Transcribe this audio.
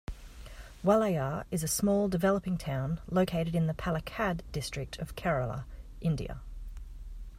Walayar is a small developing town, located in the Palakkad district of Kerala, India.